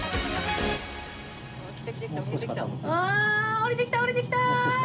降りてきた降りてきた！